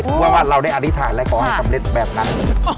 เพราะว่าเราได้อธิษฐานและขอให้สำเร็จแบบนั้น